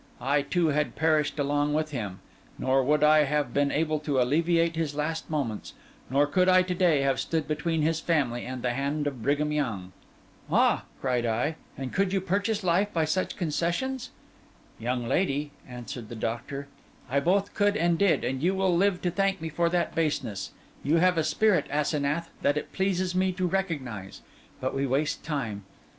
I, too, had perished along with him; nor would I have been able to alleviate his last moments, nor could I to day have stood between his family and the hand of Brigham Young.' 'Ah!' cried I, 'and could you purchase life by such concessions?' 'Young lady,' answered the doctor, 'I both could and did; and you will live to thank me for that baseness. You have a spirit, Asenath, that it pleases me to recognise. But we waste time.